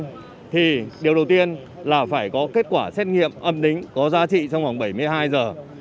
diện luồng xanh thì điều đầu tiên là phải có kết quả xét nghiệm âm đính có giá trị trong khoảng bảy mươi hai giờ